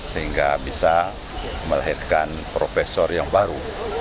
sehingga bisa melahirkan profesor yang baru